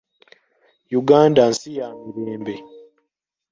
Uganda nsi ya mirembe.